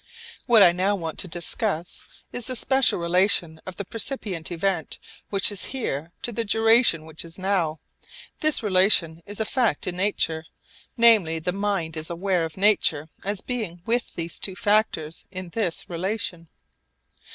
What I now want to discuss is the special relation of the percipient event which is 'here' to the duration which is 'now.' This relation is a fact in nature, namely the mind is aware of nature as being with these two factors in this relation.